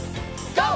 ＧＯ！